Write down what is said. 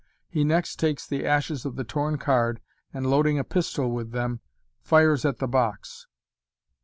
He next takes the ashes of the torn card, and, loading a pistol with them, fires at the box.